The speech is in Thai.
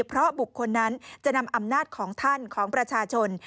เพราะบุคคลนั้นจะนำอำนาจของท่านของประชาชน